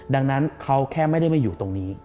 ดังนั้นเขาแค่ไม่ได้มาอยู่ตรงนี้